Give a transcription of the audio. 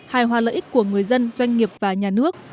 hài hòa lợi ích của người dân doanh nghiệp và nhà nước